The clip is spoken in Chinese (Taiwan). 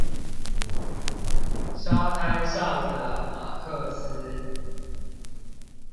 沙灘上的馬克思